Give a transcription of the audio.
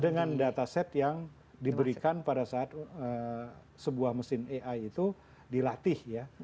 dengan data set yang diberikan pada saat sebuah mesin ai itu dilatih ya